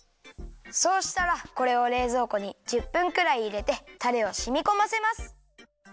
そうしたらこれをれいぞうこに１０分くらいいれてたれをしみこませます。